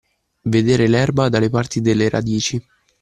Vedere l'erba dalle parti delle radici.